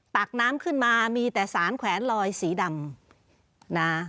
ตักน้ำขึ้นมามีแต่สารแขวนลอยสีดำนะ